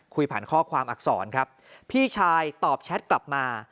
ข้อความอักษรครับพี่ชายตอบแชทกลับมา